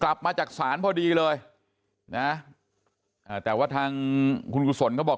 กลับมาจากศาลพอดีเลยนะอ่าแต่ว่าทางคุณกุศลเขาบอก